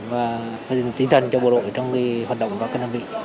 và tinh thần cho bộ đội trong hoạt động các đơn vị